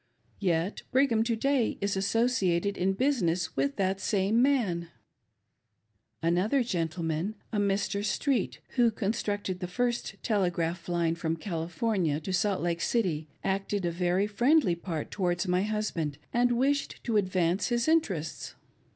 Yet Brigham to day is associated in business with that same man ! Another gentleman, a Mr. Street, who constructed the first telegraph line from California to Salt Lake City, acted a very friendly part towards my husband, and wished to advance his interests.